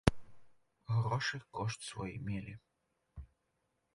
Грошы кошт свой мелі.